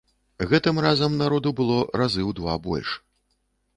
Гэтым разам народу было разы ў два больш.